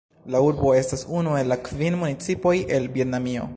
La urbo estas unu el la kvin municipoj en Vjetnamio.